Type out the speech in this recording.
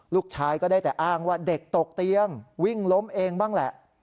ลูกชายก็ได้แต่อ้างว่าเด็กตกเตียงวิ่งล้มเองบ้างแหละ